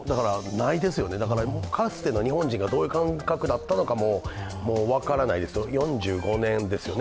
ないですよね、かつての日本人がどういう感覚だったのかも分からないですよね。